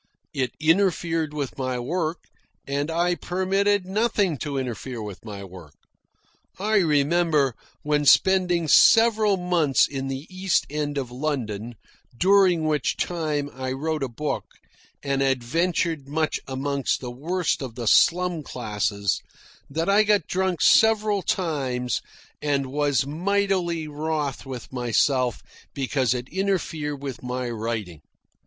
It interfered with my work, and I permitted nothing to interfere with my work. I remember, when spending several months in the East End of London, during which time I wrote a book and adventured much amongst the worst of the slum classes, that I got drunk several times and was mightily wroth with myself because it interfered with my writing.